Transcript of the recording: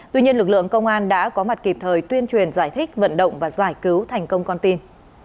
tuy nhiên lực lượng công an đã có mặt kịp thời tuyên truyền giải thích vận động và giải cứu thành công con tin